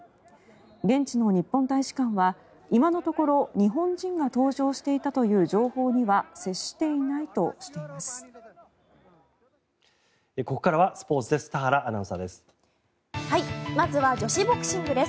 現地の日本大使館は今のところ日本人が搭乗していたという情報には接していないとしています。